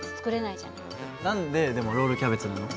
何ででもロールキャベツなの？